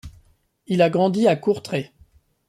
Il a grandi à Courtrai.